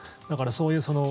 だから、そういう。